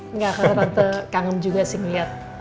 enggak karena tante kangen juga sih ngeliat